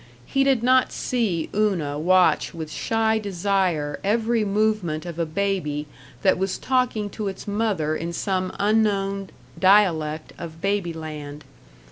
He did not see Una watch with shy desire every movement of a baby that was talking to its mother in some unknown dialect of baby land.